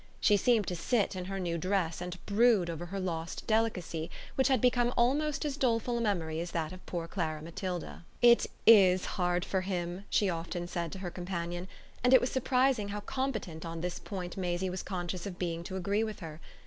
She seemed to sit in her new dress and brood over her lost delicacy, which had become almost as doleful a memory as that of poor Clara Matilda. "It IS hard for him," she often said to her companion; and it was surprising how competent on this point Maisie was conscious of being to agree with her.